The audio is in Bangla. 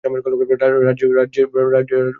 রাজ্যে তখন বাম-শাসন।